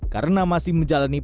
karena masih menjalankan